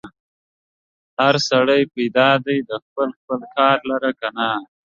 هر سړی پیدا دی خپل خپل کار لره که نه؟